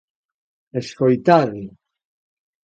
_¡Escoitade!